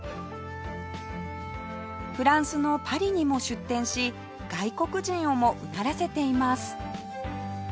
フランスのパリにも出店し外国人をもうならせています